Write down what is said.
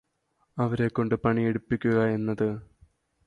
അവരെക്കൊണ്ട് പണിയെടുപ്പിക്കുകയെന്നത്